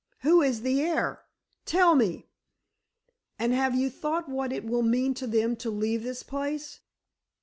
Who is the heir? Tell me!" "And have you thought what it will mean to them to leave this place?